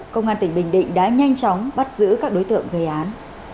công an tỉnh bình định đã nhanh chóng bắt giữ các đối tượng gây án